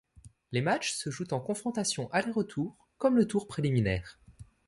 Les matchs se jouent en confrontations aller-retour, comme le tour préliminaire.